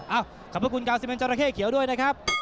เอ้าขอบคุณ๙๑จราเข้เขียวด้วยนะครับ